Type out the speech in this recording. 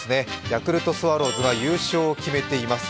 ヤクルトスワローズが優勝を決めています。